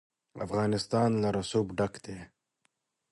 افغانستان له رسوب ډک دی.